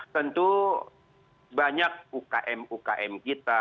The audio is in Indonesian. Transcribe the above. tentu banyak ukm ukm kita